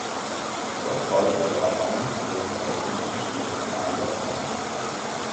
Dort sollte der Ballon während der Olympischen Spiele zum Einsatz kommen.